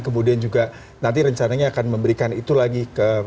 kemudian juga nanti rencananya akan memberikan itu lagi ke